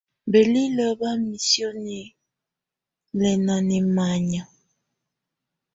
Bələliə ba misioni lɛ nɛmannya.